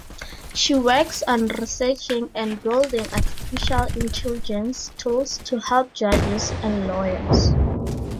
She works on researching and building artificial intelligence tools to help judges and lawyers.